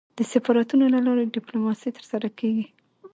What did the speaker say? د سفارتونو له لاري ډيپلوماسي ترسره کېږي.